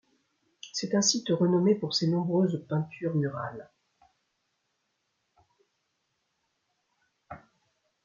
C'est un site renommé pour ses nombreuses peintures murales.